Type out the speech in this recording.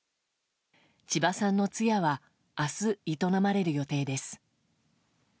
千葉さんの通夜は明日営まれる予定です。